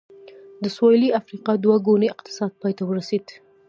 د سوېلي افریقا دوه ګونی اقتصاد پای ته ورسېد.